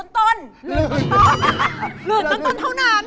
ฤนต้นเท่านั้น